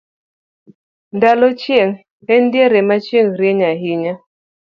ndalo chieng' en diere na chieng' rieny ahinya